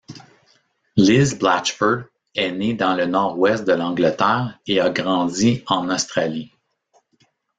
Liz Blatchford est née dans le Nord-ouest de l'Angleterre et a grandi en Australie.